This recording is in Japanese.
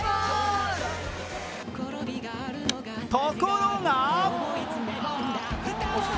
ところが！